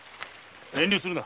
遠慮するな。